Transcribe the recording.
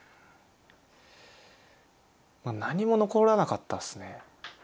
何も残らなかったですね。